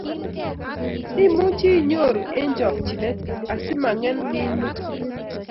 Imuchi inyoru eng chokchinet asimangem minutikkuk